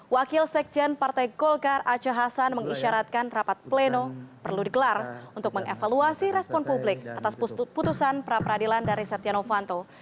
wakil sekjen partai golkar aceh hasan mengisyaratkan rapat pleno perlu digelar untuk mengevaluasi respon publik atas putusan pra peradilan dari setia novanto